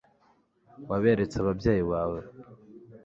waberetse ababyeyi bawe